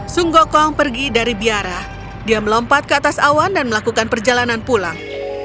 sung gokong pergi dari biara dia melompat ke atas awan dan melakukan perjalanan pulang